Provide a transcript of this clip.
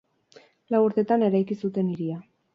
Lau urtetan eraiki zuten hiria.